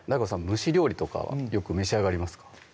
蒸し料理とかはよく召し上がりますか？